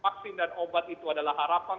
vaksin dan obat itu adalah harapan